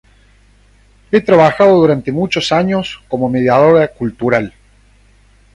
Ha trabajado durante muchos años como mediadora cultural.